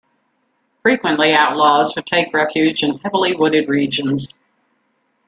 Frequently outlaws would take refuge in heavily wooded regions.